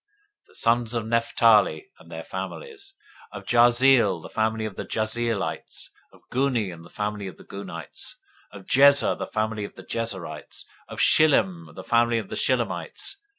026:048 The sons of Naphtali after their families: of Jahzeel, the family of the Jahzeelites; of Guni, the family of the Gunites; 026:049 of Jezer, the family of the Jezerites; of Shillem, the family of the Shillemites.